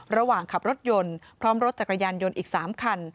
ระหว่างขับรถยนต์พร้อมรถจักรยานยนต์อีก๓คัน